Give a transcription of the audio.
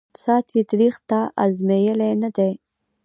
ساعت یې تریخ » تا آزمېیلی نه دی